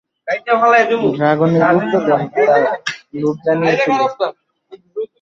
ড্রাগনের গুপ্তধন তার লোভ জাগিয়ে তোলে।